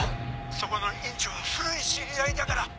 そこの院長は古い知り合いだから。